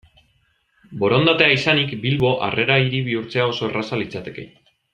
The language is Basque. Borondatea izanik, Bilbo Harrera Hiri bihurtzea oso erraza litzateke.